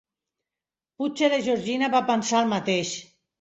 Potser la Georgina va pensar el mateix.